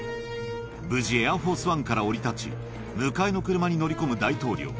無事、エアフォースワンから降り立ち、迎えの車に乗り込む大統領。